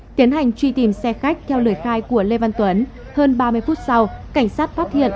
tiến hành truy tìm xe khách theo lời khai của lê văn tuấn hơn ba mươi phút sau cảnh sát phát hiện